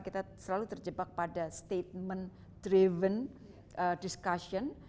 kita selalu terjebak pada statement driven discussion